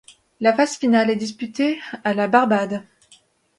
La phase finale est disputée à la Barbade.